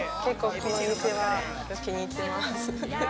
この店は気に入っています。